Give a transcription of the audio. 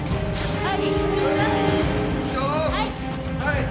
はい